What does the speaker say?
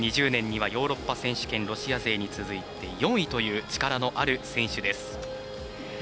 ２０２０年にはヨーロッパ選手権ロシア勢に続いて４位という力のある選手です。